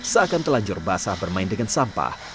seakan telanjur basah bermain dengan sampah